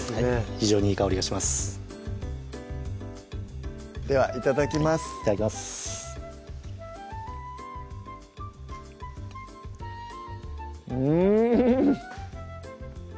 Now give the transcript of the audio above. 非常にいい香りがしますではいただきますいただきますうん！